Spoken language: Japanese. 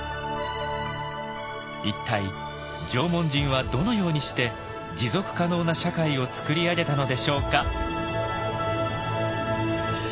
一体縄文人はどのようにして持続可能な社会を作り上げたのでしょうか。